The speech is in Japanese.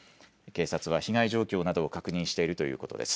警察は被害状況などを確認しているということです。